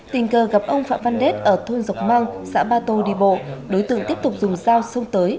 tình cờ gặp ông phạm văn đết ở thôn dọc mang xã ba tô đi bộ đối tượng tiếp tục dùng dao xông tới